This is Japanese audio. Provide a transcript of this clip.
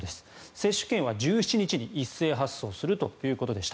接種券は１７日に一斉発送するということでした。